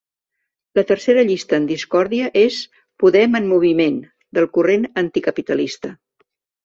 La tercera llista en discòrdia és ‘Podem en moviment’, del corrent anticapitalista.